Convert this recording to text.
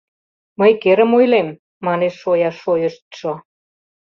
Мый керым ойлем, — мане шоя шойыштшо.